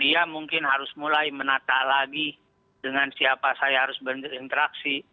dia mungkin harus mulai menata lagi dengan siapa saya harus berinteraksi